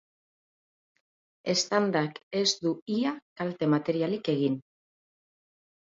Eztandak ez du ia kalte materialik egin.